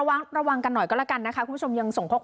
อะระวังกันหน่อยก็ละกันนะคะคุณผู้ชมยังส่ง